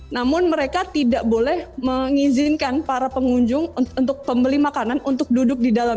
namun mereka tidak boleh mengizinkan para pengunjung untuk pembeli makanan untuk duduk di dalam